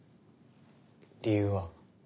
理由は？